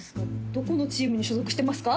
どこのチームに所属していますか？